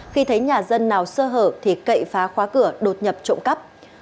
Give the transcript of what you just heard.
khi thấy nhà dân nào sơ hở thì cậy phá khóa cửa đột nhập trộm cắp